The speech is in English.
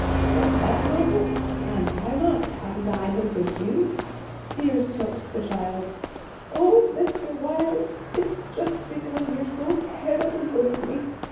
'What's that, Margaret? And why not? Haven't I been good to you?' Tears choked the child. 'Oh, Mr. Wilde, it's just because you're so terrible good to me.